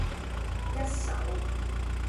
一首